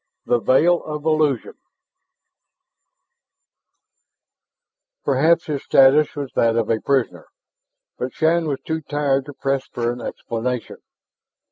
THE VEIL OF ILLUSION Perhaps his status was that of a prisoner, but Shann was too tired to press for an explanation.